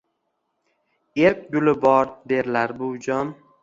— Erk guli bor, derlar, buvijon